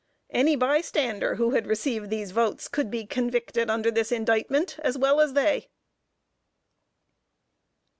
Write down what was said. Any bystander, who had received these votes, could be convicted under this indictment as well as they.